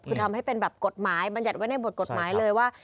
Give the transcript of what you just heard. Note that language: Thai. คือทำให้เป็นแบบกฎหมายบรรยัติไว้ในบทกฎหมายเลยว่า